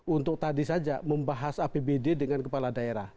untuk tadi saja membahas apbd dengan kepala daerah